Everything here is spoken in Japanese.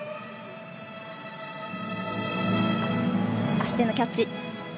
足でのキャッチ。